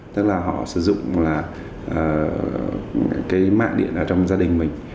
tức là họ sử dụng mạng điện ở trong gia đình mình